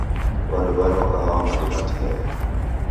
W'andu w'anywa kahawa mando matineri.